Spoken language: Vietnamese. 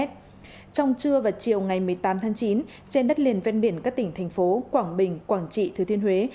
trong trưa và chiều ngày một mươi tám tháng chín trên đất liền ven biển các tỉnh thành phố quảng bình quảng trị thứ thiên huế